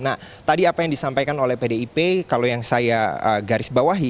nah tadi apa yang disampaikan oleh pdip kalau yang saya garis bawahi